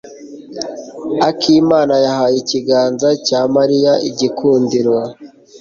Akimana yahaye ikiganza cya Mariya igikundiro.